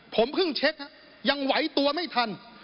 ผมเพิ่งเช็คยังไหวตัวไม่ทัน